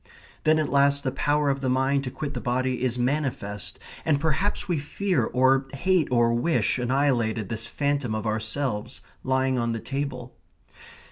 Then at last the power of the mind to quit the body is manifest, and perhaps we fear or hate or wish annihilated this phantom of ourselves, lying on the table.